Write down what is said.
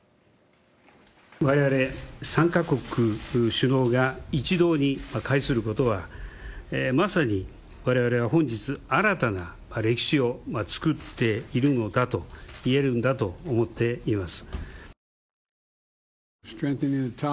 われわれ３か国首脳が一堂に会することは、まさにわれわれは本日、新たな歴史を作っているのだといえるんだと思っています。